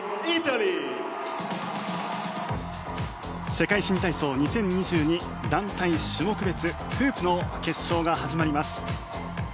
世界新体操２０２２団体種目別フープの決勝が始まります。